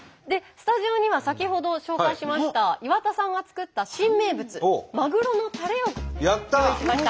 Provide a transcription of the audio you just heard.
スタジオには先ほど紹介しました岩田さんが作った新名物まぐろのたれをやった！ご用意しました。